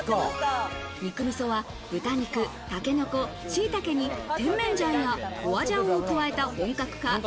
肉味噌は豚肉、タケノコ、しいたけにテンメンジャンや花椒を加えた本格派。